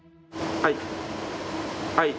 はい。